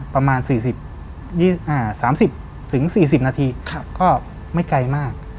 ประมาณ๓๐๔๐นาทีก็ไม่ไกลมาก